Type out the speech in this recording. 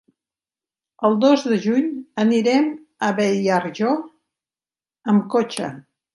El dos de juny anirem a Beniarjó amb cotxe.